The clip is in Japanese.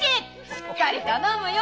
しっかり頼むよ。